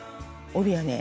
帯はね